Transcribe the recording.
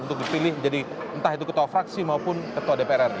untuk dipilih jadi entah itu ketua fraksi maupun ketua dprr